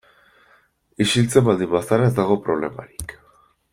Isiltzen baldin bazara ez dago problemarik.